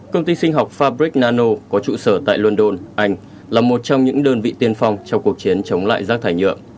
công ty sinh học fabric nano có trụ sở tại london anh là một trong những đơn vị tiên phong trong cuộc chiến chống lại rác thải nhựa